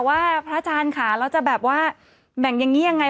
พระอาจารย์ค่ะเราจะแบบว่าแบ่งอย่างนี้ยังไง